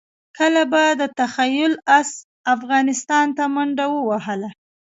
کله به د تخیل اس افغانستان ته منډه ووهله.